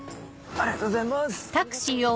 ありがとうございます。